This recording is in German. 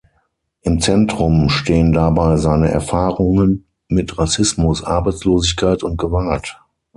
Im Zentrum stehen dabei seine Erfahrungen mit Rassismus, Arbeitslosigkeit und Gewalt.